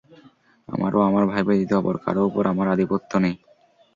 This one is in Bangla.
আমার ও আমার ভাই ব্যতীত অপর কারও উপর আমার আধিপত্য নেই।